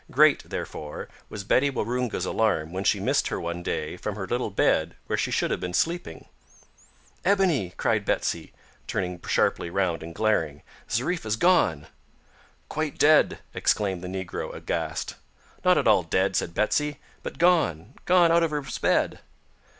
Great, therefore, was Betsy Waroonga's alarm when she missed her one day from her little bed where she should have been sleeping. "Ebony!" cried Betsy, turning sharply round and glaring, "Zariffa's gone." "Quite dead," exclaimed the negro, aghast. "Not at all dead," said Betsy; "but gone gone hout of hers bed."